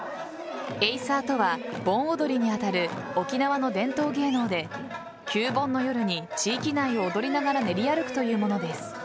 エイサーとは、盆踊りに当たる沖縄の伝統芸能で旧盆の夜に地域内を踊りながら練り歩くというものです。